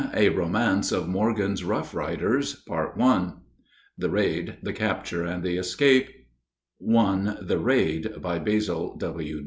A ROMANCE OF MORGAN'S ROUGH RIDERS THE RAID, THE CAPTURE, AND THE ESCAPE I. THE RAID BY BASIL W.